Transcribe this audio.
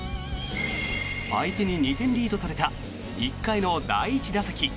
相手に２点リードされた１回の第１打席。